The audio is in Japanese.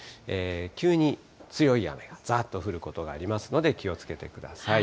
急に強い雨がざーっと降ることがありますので、気をつけてください。